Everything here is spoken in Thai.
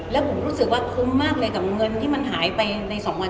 แล้วผมรู้สึกว่าคุ้มมากเลยกับเงินที่มันหายไปใน๒วัน